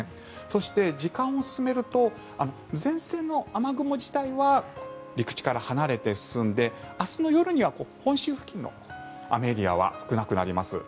そして、時間を進めると前線の雨雲自体は陸地から離れて進んで明日の夜には本州付近の雨エリアは少なくなります。